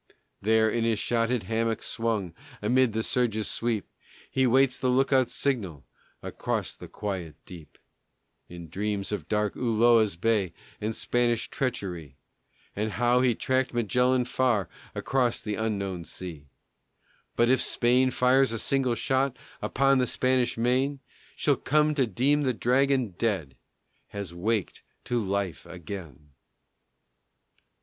There, in his shotted hammock swung, Amid the surges' sweep, He waits the lookouts' signal Across the quiet deep. And dreams of dark Ulloa's bay And Spanish treachery; And how he tracked Magellan far Across the unknown sea. But if Spain fires a single shot Upon the Spanish main, She'll come to deem the Dragon dead Has waked to life again.